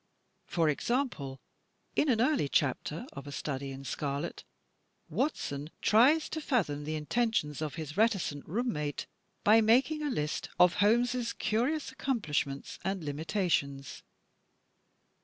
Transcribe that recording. For example, in an early chapter of "A Study in Scarlet," Watson tries to fathom the intentions of his reti cent roonmiate by making a list of Holmes' curious accom plishments and limitations.